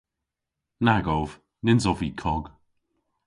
Nag ov. Nyns ov vy kog.